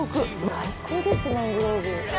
最高です、マングローブ。